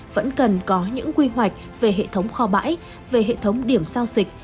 vẫn cần có những quy hoạch về hệ thống kho bãi về hệ thống điểm sao sịch